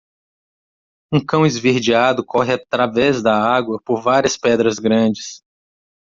Um cão esverdeado corre através da água por várias pedras grandes.